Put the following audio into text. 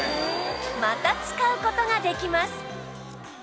また使う事ができます